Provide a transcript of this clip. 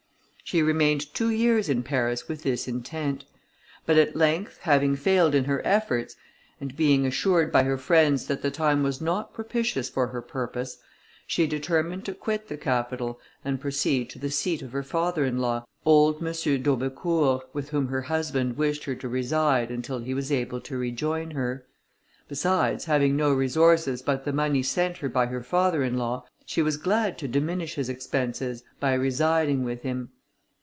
She remained two years in Paris with this intent; but at length, having failed in her efforts, and being assured by her friends that the time was not propitious for her purpose, she determined to quit the capital and proceed to the seat of her father in law, old M. d'Aubecourt, with whom her husband wished her to reside, until he was able to rejoin her: besides, having no resources but the money sent her by her father in law, she was glad to diminish his expenses by residing with him.